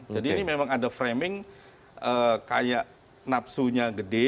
jadi ini memang ada framing kayak napsunya gede